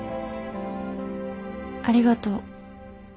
ありがとう。